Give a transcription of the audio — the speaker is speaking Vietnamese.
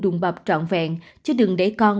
đùng bọc trọn vẹn chứ đừng để con